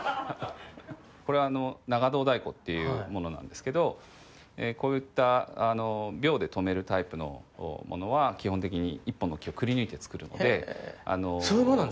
これ、長胴太鼓というものですがこういったびょうで留めるタイプのものは基本的に１本の木をくり抜いて作るので。